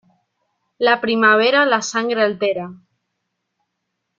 La primavera la sangre altera.